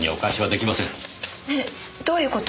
ねぇどういう事？